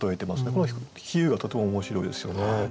この比喩がとても面白いですよね。